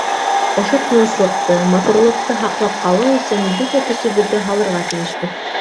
Ошо тыныслыҡты, матурлыҡты һаҡлап ҡалыу өсөн бөтә көсөбөҙҙө һалырға тейешбеҙ.